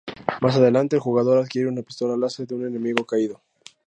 Más adelante, el jugador adquiere una pistola láser de un enemigo caído.